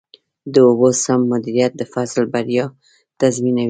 د اوبو سم مدیریت د فصل بریا تضمینوي.